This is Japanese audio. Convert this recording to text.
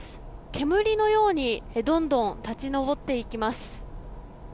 煙のようにどんどん立ち上っていきます。